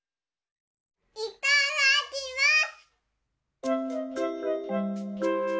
いただきます！